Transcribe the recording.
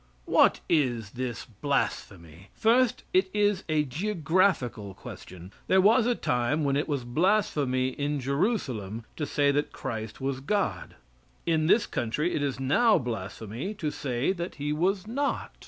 What is this blasphemy? First, it is a geographical question. There was a time when it was blasphemy in Jerusalem to say that Christ was God. In this country it is now blasphemy to say that He was not.